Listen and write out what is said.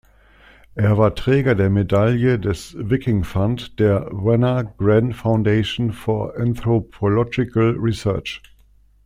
Er war Träger der Medaille des Viking Fund der "Wenner-Gren Foundation for Anthropological Research".